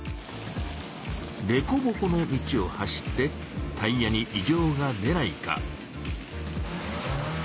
でこぼこの道を走ってタイヤにいじょうが出ないか。